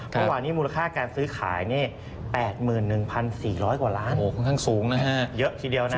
เมื่อวานนี้มูลค่าการซื้อขายนี่๘๑๔๐๐กว่าล้านค่อนข้างสูงนะฮะเยอะทีเดียวนะ